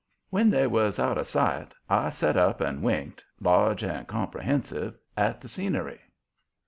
When they was out of sight I set up and winked, large and comprehensive, at the scenery.